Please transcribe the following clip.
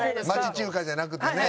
町中華じゃなくてね。